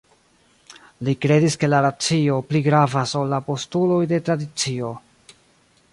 Li kredis ke la racio pli gravas ol la postuloj de tradicio.